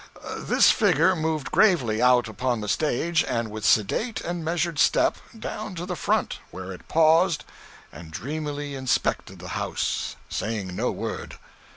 This figure moved gravely out upon the stage and, with sedate and measured step, down to the front, where it paused, and dreamily inspected the house, saying no word.